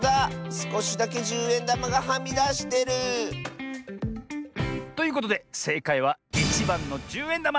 すこしだけじゅうえんだまがはみだしてる！ということでせいかいは１ばんのじゅうえんだま！